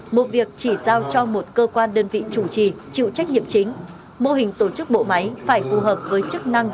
một việc chỉ giao cho một cơ quan đơn vị chủ trì chịu trách nhiệm chính mô hình tổ chức bộ máy phải phù hợp với chức năng